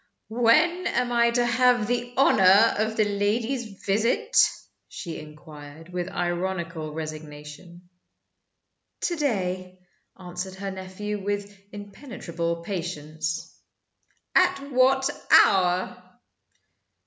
"When am I to have the honor of the lady's visit?" she inquired, with ironical resignation. "To day," answered her nephew, with impenetrable patience. "At what hour?"